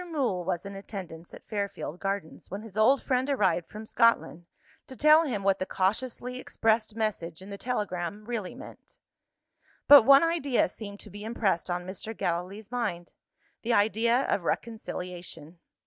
Mool was in attendance at Fairfield Gardens, when his old friend arrived from Scotland, to tell him what the cautiously expressed message in the telegram really meant. But one idea seemed to be impressed on Mr. Gallilee's mind the idea of reconciliation.